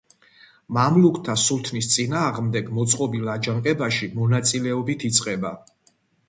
მამლუქთა სულთნის წინააღმდეგ მოწყობილ აჯანყებაში მონაწილეობით იწყება.